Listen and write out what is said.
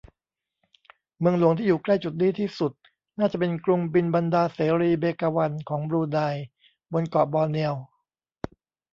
เมืองหลวงที่อยู่ใกล้จุดนี้ที่สุดน่าจะเป็นกรุงบินบันดาร์ เสรี เบกาวัน ของบรูไน บนเกาะบอร์เนียว